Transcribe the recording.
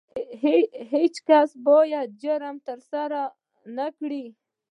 هیڅ کس باید جرم ترسره نه کړي.